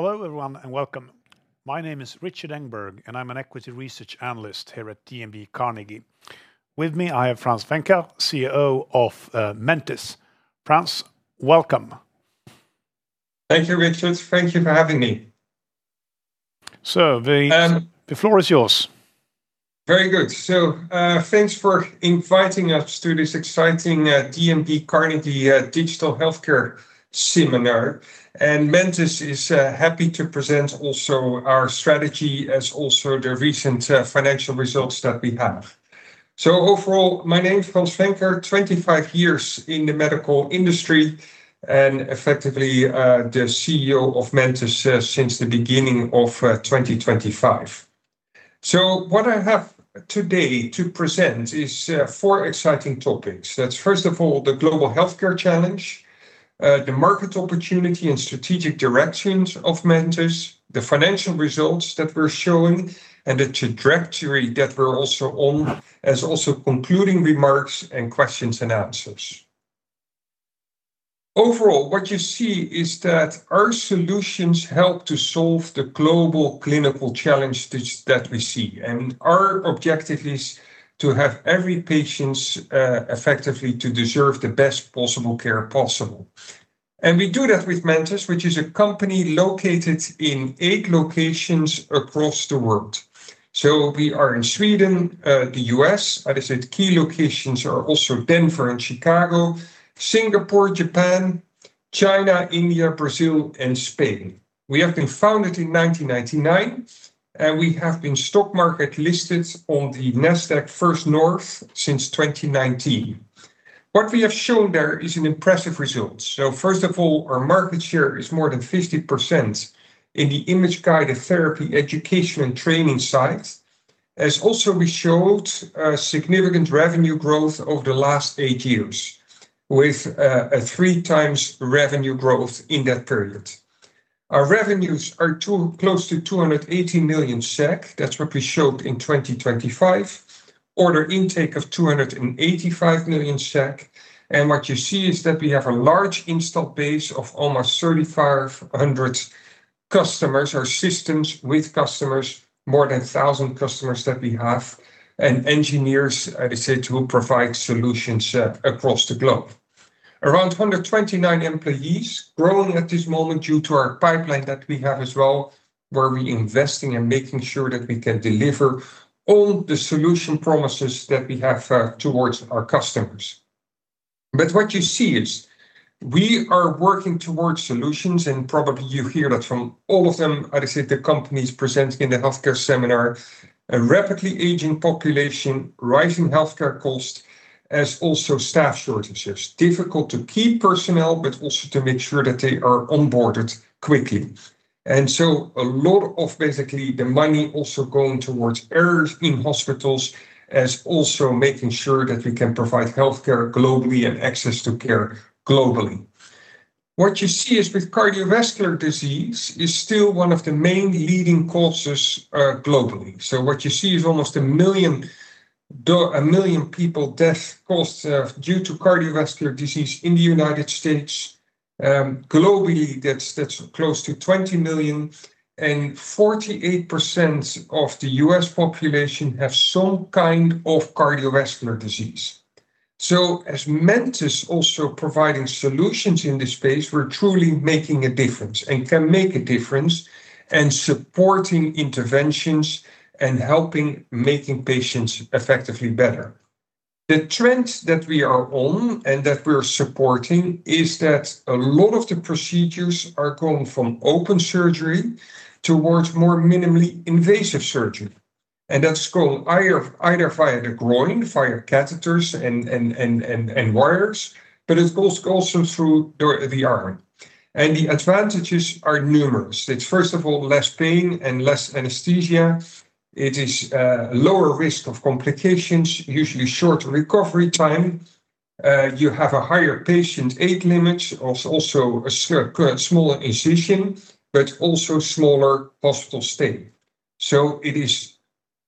Hello, everyone, and welcome. My name is Rikard Engberg, and I'm an equity research analyst here at DNB Carnegie. With me, I have Frans Venker, CEO of Mentice. Frans, welcome. Thank you, Richard. Thank you for having me. So the- Um- The floor is yours. Very good. Thanks for inviting us to this exciting DNB Carnegie digital healthcare seminar. Mentice is happy to present also our strategy as also the recent financial results that we have. Overall, my name is Frans Venker. 25 years in the medical industry and effectively the CEO of Mentice since the beginning of 2025. What I have today to present is four exciting topics. That's first of all, the global healthcare challenge, the market opportunity and strategic directions of Mentice, the financial results that we're showing and the trajectory that we're also on. As also concluding remarks and questions and answers. Overall, what you see is that our solutions help to solve the global clinical challenge that we see. Our objective is to have every patient, effectively to deserve the best possible care possible. We do that with Mentice, which is a company located in 8 locations across the world. We are in Sweden, the U.S. Other 6 key locations are also Denver and Chicago, Singapore, Japan, China, India, Brazil and Spain. We have been founded in 1999, and we have been stock market listed on the Nasdaq First North since 2019. What we have shown there is an impressive result. First of all, our market share is more than 50% in the image-guided therapy education and training sites. As also we showed a significant revenue growth over the last 8 years with a 3x revenue growth in that period. Our revenues are close to 280 million SEK. That's what we showed in 2025. Order intake of 285 million SEK. What you see is that we have a large install base of almost 3,500 customers or systems with customers. More than 1,000 customers that we have. Engineers at a site who provide solutions across the globe. Around 129 employees. Growing at this moment due to our pipeline that we have as well, where we investing and making sure that we can deliver all the solution promises that we have towards our customers. What you see is we are working towards solutions, and probably you hear that from all of them, other six companies presenting in the Healthcare Seminar. A rapidly aging population, rising healthcare cost as also staff shortages. Difficult to keep personnel, but also to make sure that they are onboarded quickly. A lot of basically the money also going towards errors in hospitals as also making sure that we can provide healthcare globally and access to care globally. What you see is with cardiovascular disease is still one of the main leading causes globally. What you see is almost 1 million people death caused due to cardiovascular disease in the U.S. Globally, that's close to 20 million. 48% of the U.S. population have some kind of cardiovascular disease. As Mentice also providing solutions in this space, we're truly making a difference and can make a difference in supporting interventions and helping making patients effectively better. The trends that we are on and that we're supporting is that a lot of the procedures are going from open surgery towards more minimally invasive surgery. That's going either via the groin, via catheters and wires. It's also through the arm. The advantages are numerous. It's first of all, less pain and less anesthesia. It is lower risk of complications, usually shorter recovery time. You have a higher patient age limits. Also a smaller incision, but also smaller hospital stay. It is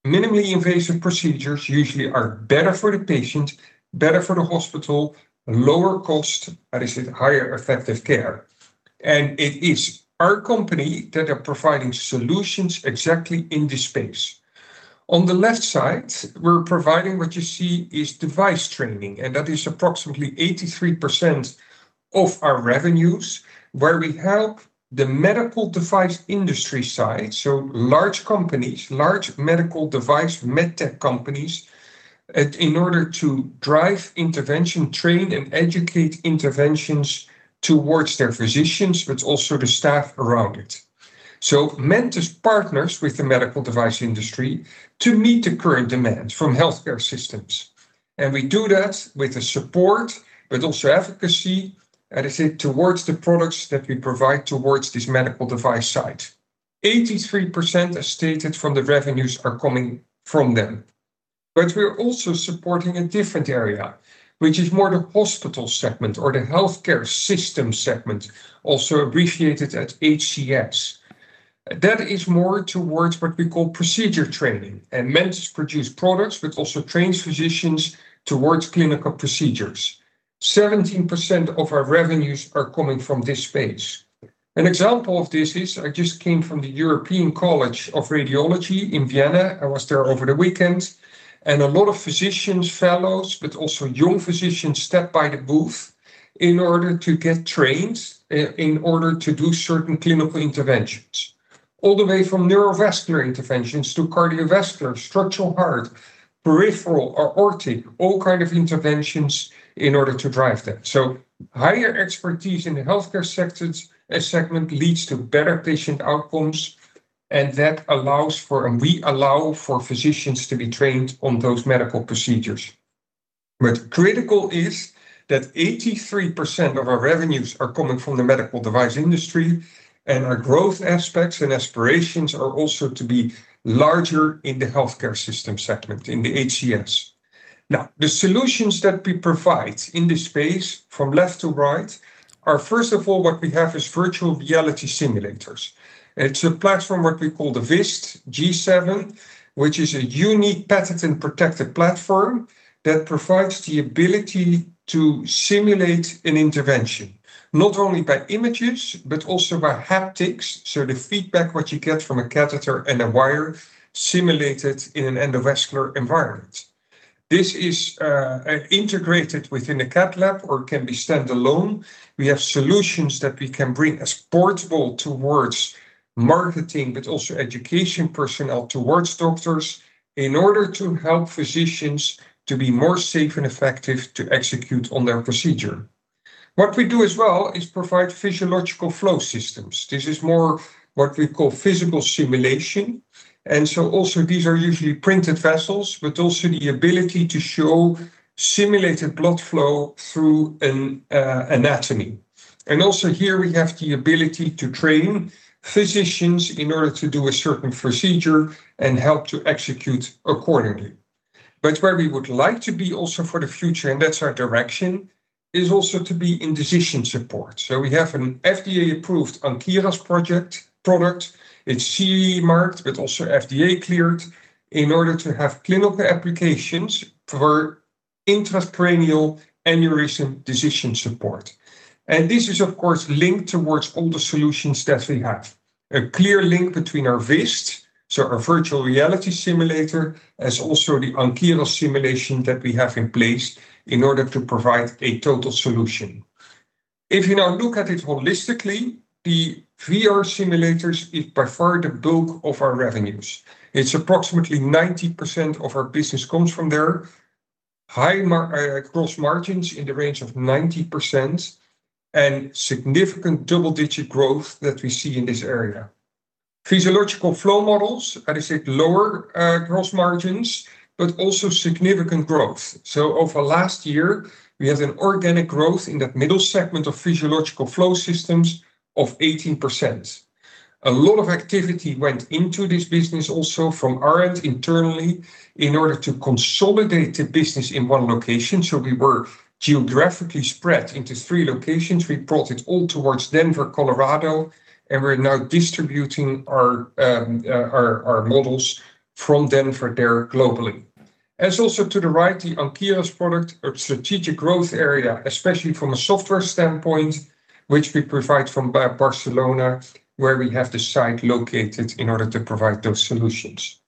minimally invasive procedures usually are better for the patient, better for the hospital, lower cost and is it higher effective care. It is our company that are providing solutions exactly in this space. On the left side, we're providing what you see is device training, and that is approximately 83% of our revenues, where we help the medical device industry side. Large companies, large medical device medtech companies at in order to drive intervention, train and educate interventions towards their physicians, but also the staff around it. Mentice partners with the medical device industry to meet the current demands from healthcare systems. We do that with the support, but also efficacy as it towards the products that we provide towards this medical device side. 83% as stated from the revenues are coming from them. We're also supporting a different area, which is more the hospital segment or the healthcare system segment, also abbreviated as HCS. That is more towards what we call procedure training. Mentice produce products which also trains physicians towards clinical procedures. 17% of our revenues are coming from this space. An example of this is I just came from the European Congress of Radiology in Vienna. I was there over the weekend. A lot of physicians, fellows, but also young physicians stopped by the booth in order to get trained in order to do certain clinical interventions. All the way from neurovascular interventions to cardiovascular, structural heart, peripheral or aortic, all kind of interventions in order to drive that. Higher expertise in the healthcare segment leads to better patient outcomes, and we allow for physicians to be trained on those medical procedures. Critical is that 83% of our revenues are coming from the medical device industry, and our growth aspects and aspirations are also to be larger in the healthcare system segment, in the HCS. The solutions that we provide in this space from left to right are first of all what we have is virtual reality simulators. It's a platform what we call the VIST G7, which is a unique patent and protected platform that provides the ability to simulate an intervention, not only by images but also by haptics, so the feedback what you get from a catheter and a wire simulated in an endovascular environment. This is integrated within a cath lab or can be standalone. We have solutions that we can bring as portable towards marketing but also education personnel towards doctors in order to help physicians to be more safe and effective to execute on their procedure. What we do as well is provide physiological flow systems. This is more what we call physical simulation. Also these are usually printed vessels, but also the ability to show simulated blood flow through an anatomy. Also here we have the ability to train physicians in order to do a certain procedure and help to execute accordingly. Where we would like to be also for the future, and that's our direction, is also to be in decision support. We have an FDA-approved Ankyras product. It's CE marked but also FDA cleared in order to have clinical applications for intracranial aneurysm decision support. This is of course linked towards all the solutions that we have. A clear link between our VIST, so our virtual reality simulator, as also the Ankyras simulation that we have in place in order to provide a total solution. If you now look at it holistically, the VR simulators is by far the bulk of our revenues. It's approximately 90% of our business comes from there. High gross margins in the range of 90% and significant double-digit growth that we see in this area. Physiological flow models, that is at lower gross margins, but also significant growth. Over last year we had an organic growth in that middle segment of Physiological Flow Systems of 18%. A lot of activity went into this business also from R&D internally in order to consolidate the business in one location. We were geographically spread into three locations. We brought it all towards Denver, Colorado, and we're now distributing our models from Denver there globally. As also to the right, the Ankyras product, a strategic growth area, especially from a software standpoint, which we provide from Barcelona, where we have the site located in order to provide those solutions.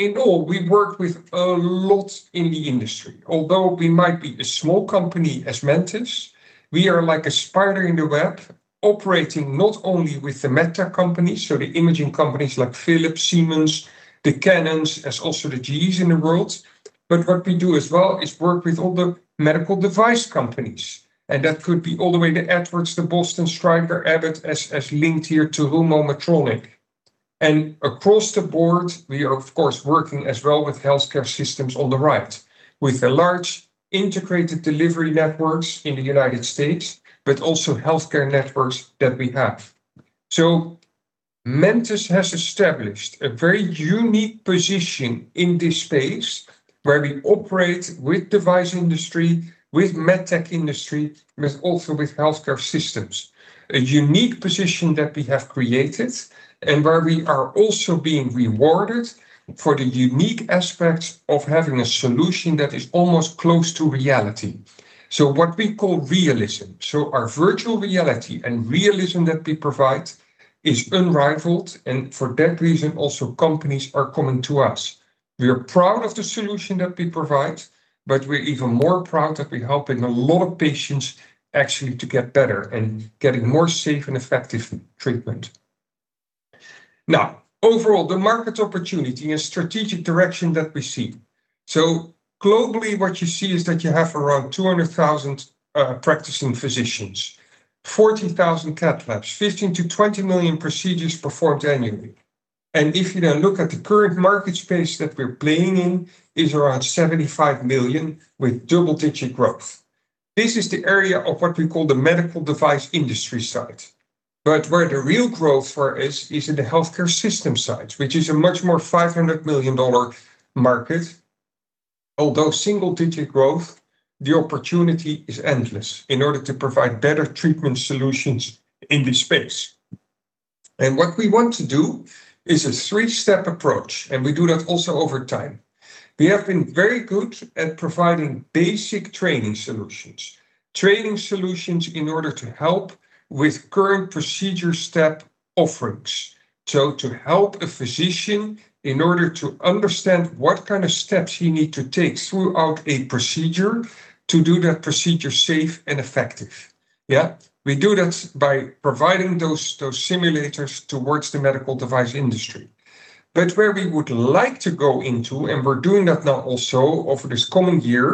In all, we work with a lot in the industry. Although we might be a small company as Mentice, we are like a spider in the web operating not only with the med tech companies, so the imaging companies like Philips, Siemens, the Canons, as also the GEs in the world. What we do as well is work with all the medical device companies. That could be all the way to Edwards to Boston Scientific, Abbott, as linked here to [Romo Medtronic. Across the board, we are of course working as well with healthcare systems on the right, with the large integrated delivery networks in the United States, but also healthcare networks that we have. Mentice has established a very unique position in this space where we operate with device industry, with med tech industry, but also with healthcare systems. A unique position that we have created and where we are also being rewarded for the unique aspects of having a solution that is almost close to reality. What we call realism. Our virtual reality and realism that we provide is unrivaled. For that reason, also companies are coming to us. We are proud of the solution that we provide, but we're even more proud that we're helping a lot of patients actually to get better and getting more safe and effective treatment. Now, overall, the market opportunity and strategic direction that we see. Globally, what you see is that you have around 200,000 practicing physicians, 40,000 cath labs, $15 million-$20 million procedures performed annually. If you now look at the current market space that we're playing in, is around $75 million with double-digit growth. This is the area of what we call the medical device industry side. Where the real growth for us is in the healthcare system side, which is a much more $500 million market. Although single-digit growth, the opportunity is endless in order to provide better treatment solutions in this space. What we want to do is a three-step approach, and we do that also over time. We have been very good at providing basic training solutions. Training solutions in order to help with current procedure step offerings. To help a physician in order to understand what kind of steps he need to take throughout a procedure to do that procedure safe and effective. Yeah. We do that by providing those simulators towards the medical device industry. Where we would like to go into, and we're doing that now also over this coming year,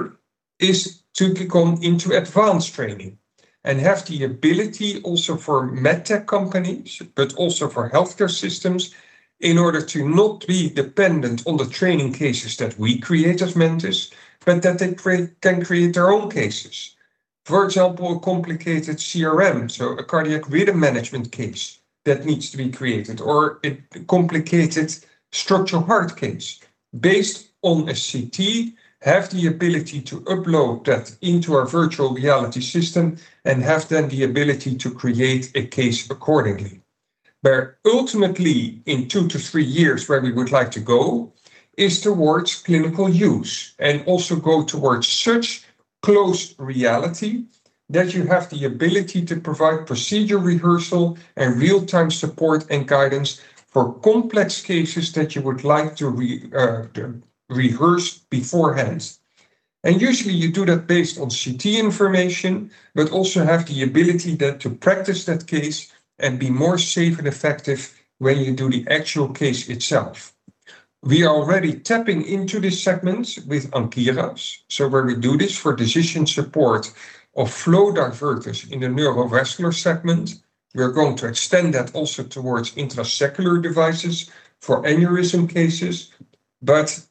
is to become into advanced training and have the ability also for med tech companies, but also for healthcare systems in order to not be dependent on the training cases that we create as Mentice, but that they can create their own cases. For example, a complicated CRM, so a cardiac rhythm management case that needs to be created or a complicated structural heart case based on a CT, have the ability to upload that into our virtual reality system and have then the ability to create a case accordingly. Where ultimately in two to three years where we would like to go is towards clinical use and also go towards such close reality that you have the ability to provide procedure rehearsal and real-time support and guidance for complex cases that you would like to rehearse beforehand. Usually you do that based on CT information, but also have the ability then to practice that case and be more safe and effective when you do the actual case itself. We are already tapping into these segments with Ankyras. Where we do this for decision support of flow diverters in the neurovascular segment, we are going to extend that also towards intracranial devices for aneurysm cases.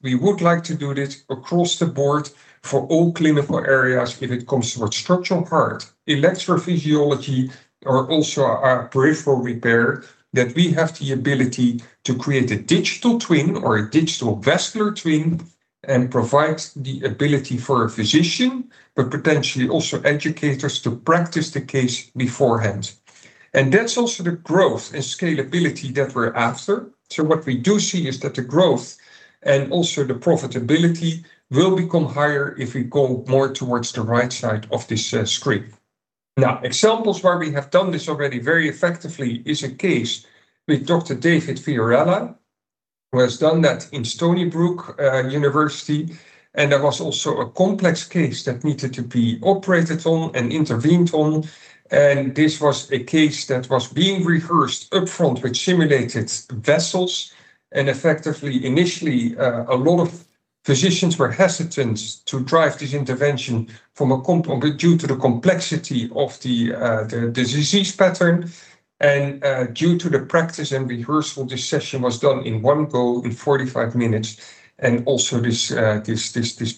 We would like to do this across the board for all clinical areas if it comes towards structural heart. Electrophysiology or also our peripheral repair that we have the ability to create a digital twin or a digital vascular twin and provide the ability for a physician, but potentially also educators to practice the case beforehand. That's also the growth and scalability that we're after. What we do see is that the growth and also the profitability will become higher if we go more towards the right side of this screen. Now, examples where we have done this already very effectively is a case with Dr. David Fiorella, who has done that in Stony Brook University. There was also a complex case that needed to be operated on and intervened on. This was a case that was being rehearsed upfront with simulated vessels. Effectively, initially, a lot of physicians were hesitant to drive this intervention due to the complexity of the disease pattern and due to the practice and rehearsal, this session was done in one go in 45 minutes. Also this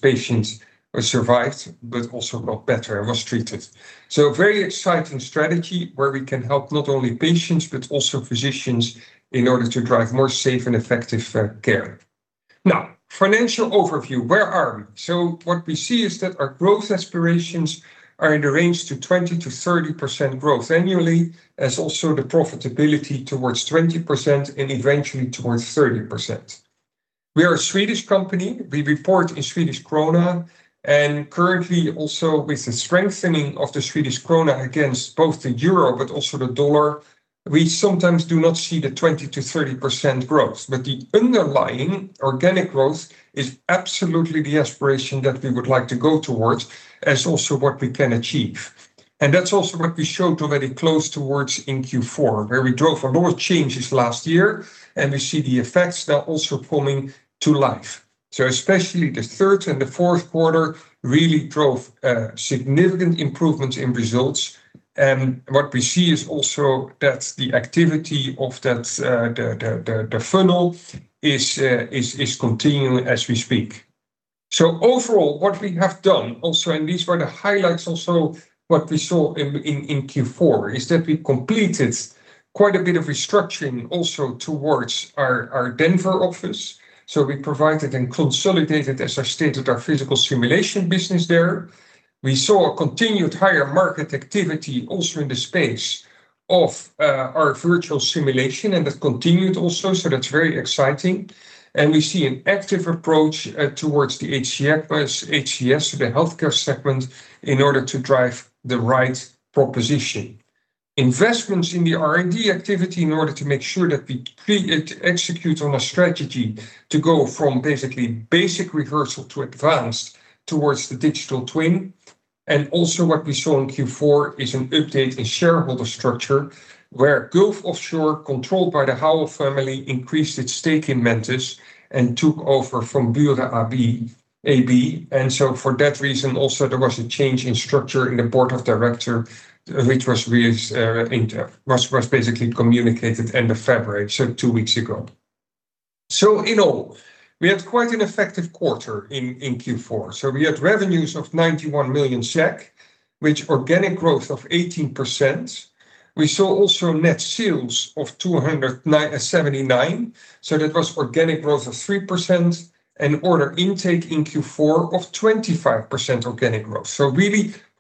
patient survived, but also got better and was treated. A very exciting strategy where we can help not only patients but also physicians in order to drive more safe and effective care. Now, financial overview. Where are we? What we see is that our growth aspirations are in the range to 20%-30% growth annually, as also the profitability towards 20% and eventually towards 30%. We are a Swedish company. We report in Swedish krona and currently also with the strengthening of the Swedish krona against both the euro but also the dollar, we sometimes do not see the 20%-30% growth. The underlying organic growth is absolutely the aspiration that we would like to go towards as also what we can achieve. That's also what we showed already close towards in Q4, where we drove a lot of changes last year and we see the effects now also coming to life. Especially the 3rd and the 4th quarter really drove significant improvements in results. What we see is also that the activity of that the funnel is continuing as we speak. Overall what we have done also, and these were the highlights also what we saw in Q4, is that we completed quite a bit of restructuring also towards our Denver office. We provided and consolidated, as I stated, our physical simulation business there. We saw a continued higher market activity also in the space of our virtual simulation, and that continued also. That's very exciting. We see an active approach towards the HCS, the healthcare segment, in order to drive the right proposition. Investments in the R&D activity in order to make sure that we execute on a strategy to go from basically basic rehearsal to advanced towards the digital twin. What we saw in Q4 is an update in shareholder structure where Gulf Offshore, controlled by the Howell family, increased its stake in Mentice and took over from Bure Equity AB. For that reason also there was a change in structure in the Board of Director, which was basically communicated end of February, so two weeks ago. We had quite an effective quarter in Q4. We had revenues of 91 million SEK, which organic growth of 18%. We saw also net sales of 279 million, so that was organic growth of 3%. An order intake in Q4 of 25% organic growth.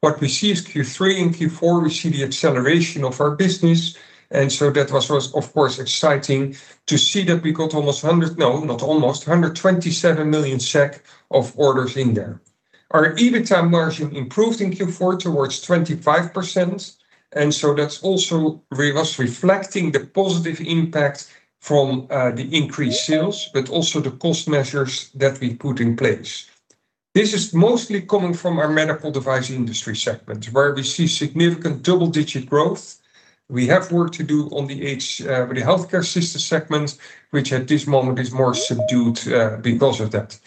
What we see is Q3 and Q4, we see the acceleration of our business, that was of course exciting to see that we got almost 100... No, not almost, 127 million SEK of orders in there. Our EBITDA margin improved in Q4 towards 25%. That's also reflecting the positive impact from the increased sales, but also the cost measures that we put in place. This is mostly coming from our medical device industry segment where we see significant double-digit growth. We have work to do on the healthcare system segment, which at this moment is more subdued because of that.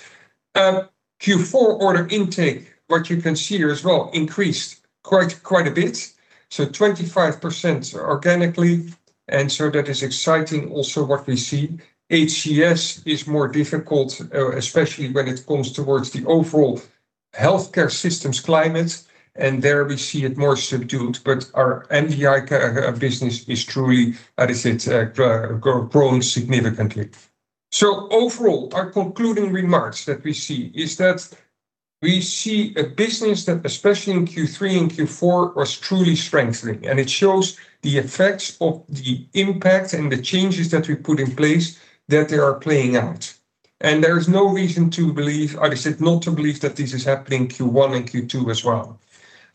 Q4 order intake, what you can see here as well, increased quite a bit, so 25% organically. That is exciting also what we see. HCS is more difficult, especially when it comes towards the overall healthcare systems climate. There we see it more subdued. Our MDI business is truly, how do you say it, grown significantly. Overall, our concluding remarks that we see is that we see a business that especially in Q3 and Q4 was truly strengthening, and it shows the effects of the impact and the changes that we put in place, that they are playing out. There is no reason to believe, how do you say, not to believe that this is happening Q1 and Q2 as well.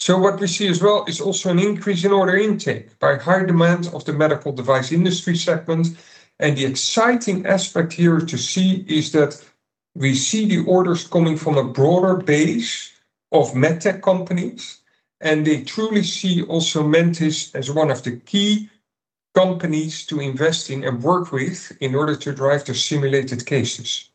What we see as well is also an increase in order intake by higher demand of the medical device industry segment. The exciting aspect here to see is that we see the orders coming from a broader base of MedTech companies, and they truly see also Mentice as one of the key companies to invest in and work with in order to drive the simulated cases.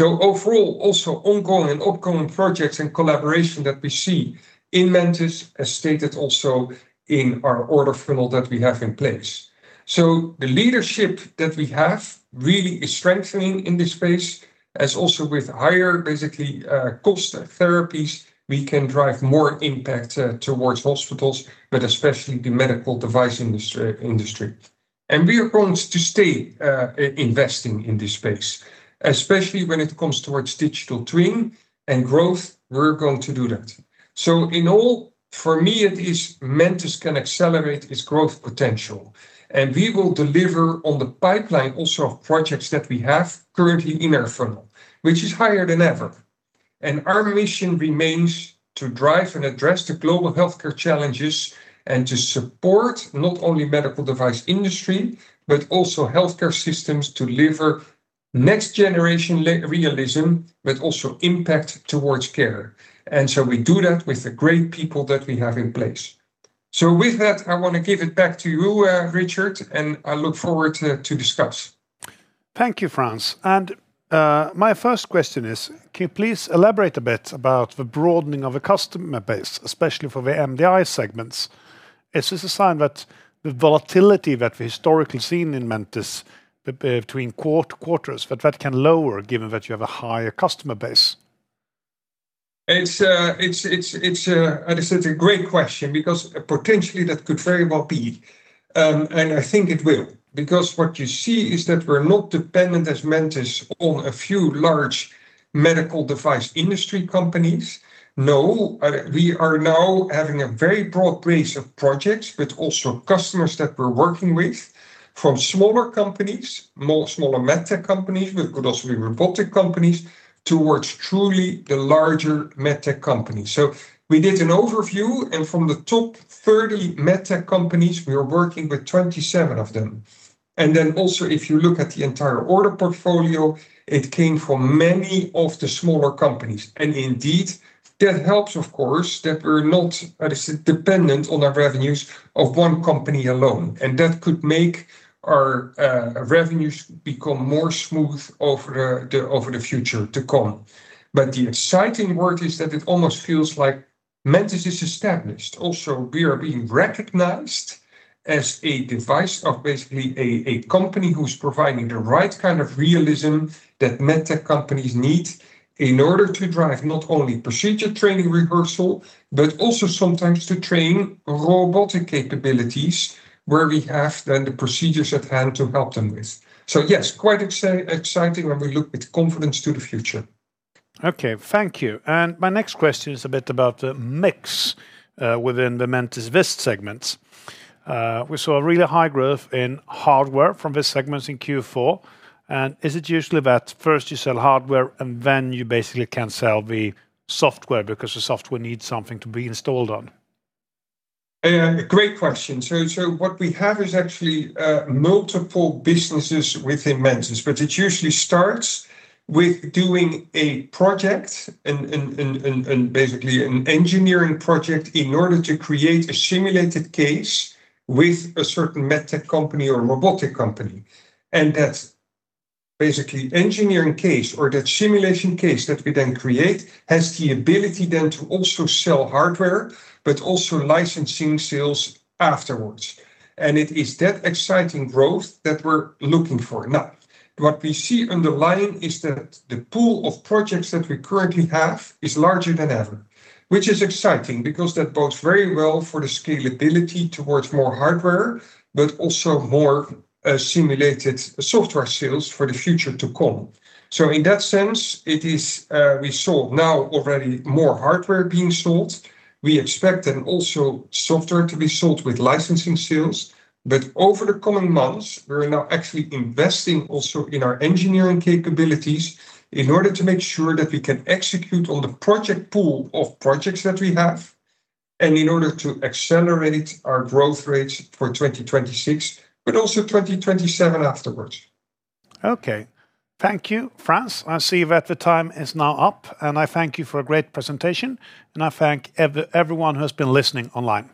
Overall, also ongoing and upcoming projects and collaboration that we see in Mentice as stated also in our order funnel that we have in place. The leadership that we have really is strengthening in this space, as also with higher basically, cost therapies, we can drive more impact towards hospitals, but especially the medical device industry. We are going to stay investing in this space, especially when it comes towards digital twin and growth. We're going to do that. In all, for me, it is Mentice can accelerate its growth potential, and we will deliver on the pipeline also of projects that we have currently in our funnel, which is higher than ever. Our mission remains to drive and address the global healthcare challenges and to support not only medical device industry, but also healthcare systems to deliver next generation realism, but also impact towards care. We do that with the great people that we have in place. With that, I wanna give it back to you, Richard, and I look forward to discuss. Thank you, Frans. My first question is, can you please elaborate a bit about the broadening of the customer base, especially for the MDI segments? Is this a sign that the volatility that we historically seen in Mentice between quarters, that that can lower given that you have a higher customer base? It's, how do you say, it's a great question because potentially that could very well be, and I think it will. What you see is that we're not dependent as Mentice on a few large medical device industry companies. No, we are now having a very broad base of projects, but also customers that we're working with from smaller companies, more smaller MedTech companies, but could also be robotic companies, towards truly the larger MedTech companies. We did an overview, and from the top 30 MedTech companies, we are working with 27 of them. If you look at the entire order portfolio, it came from many of the smaller companies. Indeed, that helps of course, that we're not, how do you say, dependent on our revenues of one company alone, and that could make our revenues become more smooth over the, over the future to come. The exciting word is that it almost feels like Mentice is established also. We are being recognized as a device of basically a company who's providing the right kind of realism that MedTech companies need in order to drive not only procedure training rehearsal, but also sometimes to train robotic capabilities where we have then the procedures at hand to help them with. Yes, quite exciting when we look with confidence to the future. Okay. Thank you. My next question is a bit about the mix within the Mentice VIST segment. We saw a really high growth in hardware from VIST segments in Q4. Is it usually that first you sell hardware and then you basically can sell the software because the software needs something to be installed on? Yeah. Great question. What we have is actually multiple businesses within Mentice, but it usually starts with doing a project and basically an engineering project in order to create a simulated case with a certain MedTech company or robotic company. That basically engineering case or that simulation case that we then create has the ability then to also sell hardware, but also licensing sales afterwards. It is that exciting growth that we're looking for. What we see underlying is that the pool of projects that we currently have is larger than ever, which is exciting because that bodes very well for the scalability towards more hardware, but also more simulated software sales for the future to come. In that sense, it is, we saw now already more hardware being sold. We expect also software to be sold with licensing sales. Over the coming months, we're now actually investing also in our engineering capabilities in order to make sure that we can execute on the project pool of projects that we have and in order to accelerate our growth rates for 2026, but also 2027 afterwards. Okay. Thank you, Frans. I see that the time is now up, and I thank you for a great presentation, and I thank everyone who has been listening online.